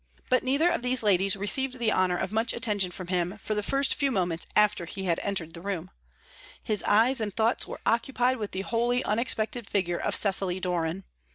But neither of these ladies received the honour of much attention from him for the first few moments after he had entered the room; his eyes and thoughts were occupied with the wholly unexpected figure of Cecily Doran.